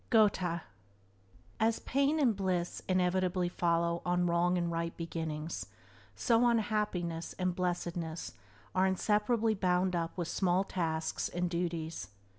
—Goethe S pain and bliss inevitably follow on wrong and right beginnings, so unhappiness and blessedness are inseparably bound up with small tasks and duties.